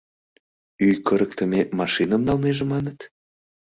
— Ӱй кырыктыме машиным налнеже, маныт?